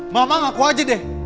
mama ngaku aja deh